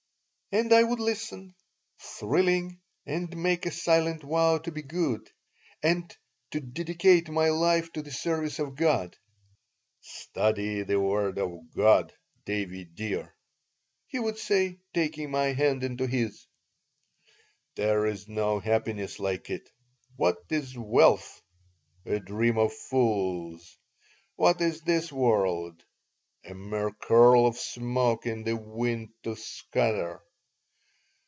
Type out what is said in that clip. And I would listen, thrilling, and make a silent vow to be good and to dedicate my life to the service of God "Study the Word of God, Davie dear," he would say, taking my hand into his. "There is no happiness like it. What is wealth? A dream of fools. What is this world? A mere curl of smoke for the wind to scatter.